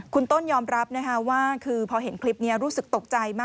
คุณต้นยอมรับว่าคือพอเห็นคลิปนี้รู้สึกตกใจมาก